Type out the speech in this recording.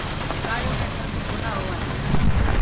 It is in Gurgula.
مڪآيو مي سنگ ڪونآ هوآ دينٚ۔